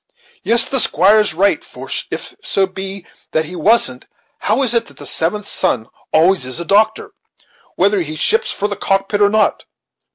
Yes, the squire is right; for if so be that he wasn't, how is it that the seventh son always is a doctor, whether he ships for the cockpit or not?